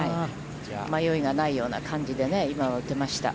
迷いがないような感じで今は打てました。